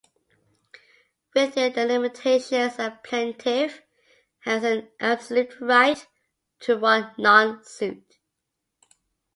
Within the limitations, a plaintiff has an absolute right to one nonsuit.